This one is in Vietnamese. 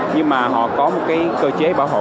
nhưng mà họ có một cái cơ chế bảo hộ